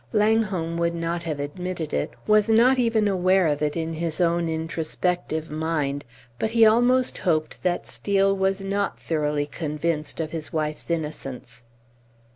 Langholm would not have admitted it, was not even aware of it in his own introspective mind, but he almost hoped that Steel was not thoroughly convinced of his wife's innocence.